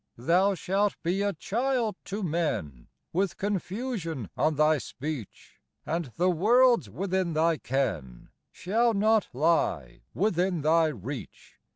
"Thou shalt be a child to men, With confusion on thy speech; And the worlds within thy ken Shall not lie within thy reach.